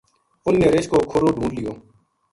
اُنھ نے رچھ کو کھُرو ڈھُونڈ لیو